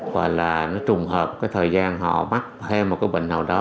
hoặc là nó trùng hợp cái thời gian họ mắc theo một cái bệnh hậu đó